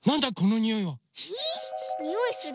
においする？